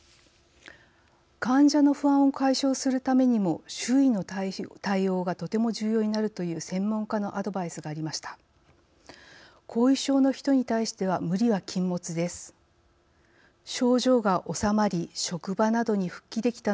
患者の不安を解消するためにも周囲の対応がとても重要になるという専門家のアドバイスがありました。